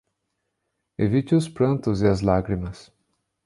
Evite os prantos e as lágrimas